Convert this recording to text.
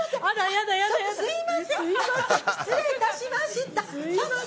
失礼いたしました。